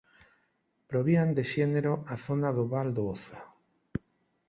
Provían de xénero á zona do Val do Oza.